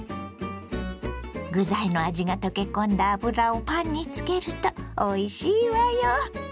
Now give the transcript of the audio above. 具材の味が溶け込んだ油をパンにつけるとおいしいわよ！